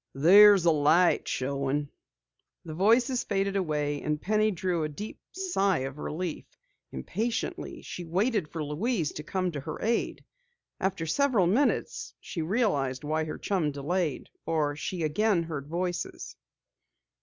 "There's a light showing." The voices faded away, and Penny drew a deep sigh of relief. Impatiently she waited for Louise to come to her aid. After several minutes she realized why her chum delayed, for she again heard voices.